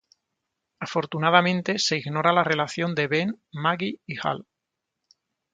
Afortunadamente, se ignora la relación de Ben, Maggie y Hal".